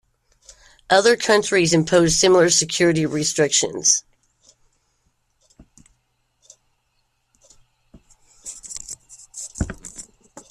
Other countries imposed similar security restrictions.